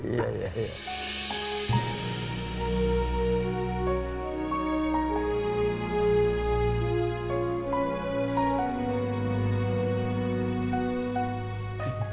terima kasih pak